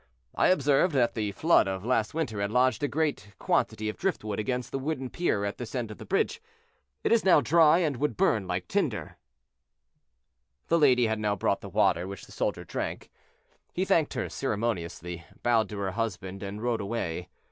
"I observed that the flood of last winter had lodged a great quantity of driftwood against the wooden pier at this end of the bridge. It is now dry and would burn like tow." The lady had now brought the water, which the soldier drank. He thanked her ceremoniously, bowed to her husband and rode away.